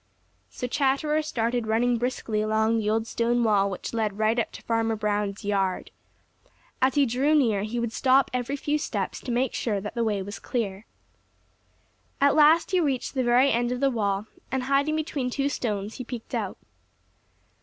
So Chatterer started running briskly along the old stone wall which led right up to Farmer Brown's yard. As he drew near, he would stop every few steps to make sure that the way was clear. At last he reached the very end of the wall, and hiding between two stones, he peeked out.